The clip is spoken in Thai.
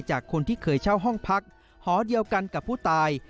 จากคนที่เคยเช่าห้องพักหอเดียวกันกับผู้ตาย